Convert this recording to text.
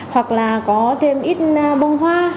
hoặc là có thêm ít bông hoa